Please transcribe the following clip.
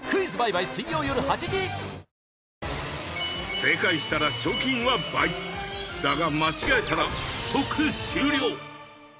正解したら賞金は倍だが間違えたら即終了